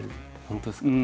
本当ですか？